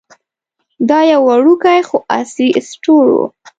دا یو وړوکی خو عصري سټور و.